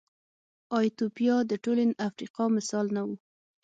ایتوپیا د ټولې افریقا مثال نه و.